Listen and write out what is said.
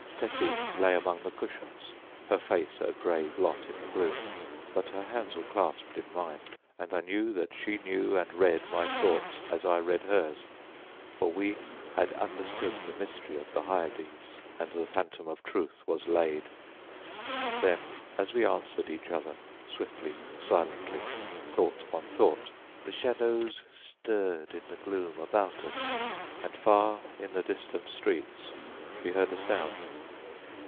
Tessie lay among the cushions, her face a grey blot in the gloom, but her hands were clasped in mine, and I knew that she knew and read my thoughts as I read hers, for we had understood the mystery of the Hyades and the Phantom of Truth was laid. Then as we answered each other, swiftly, silently, thought on thought, the shadows stirred in the gloom about us, and far in the distant streets we heard a sound.